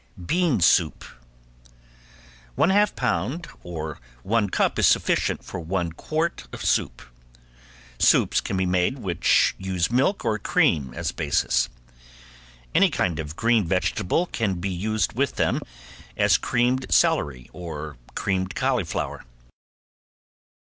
~BEAN SOUP~ One half pound or one cup is sufficient for one quart of soup. Soups can be made which use milk or cream as basis. Any kind of green vegetable can be used with them, as creamed celery or creamed cauliflower.